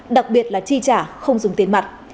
đặc biệt là chi trả không dùng tiền mặt